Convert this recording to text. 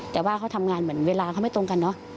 แต่ว่าเขาทำงานเหมือนเวลาเขาไม่ตรงกันเนอะ